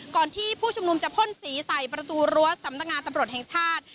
ที่ผู้ชุมนุมจะพ่นสีใส่ประตูรั้วสำนักงานตำรวจแห่งชาติ